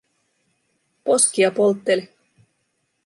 Poskia poltteli.